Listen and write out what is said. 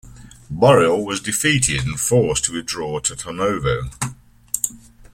Boril was defeated and forced to withdraw to Tarnovo.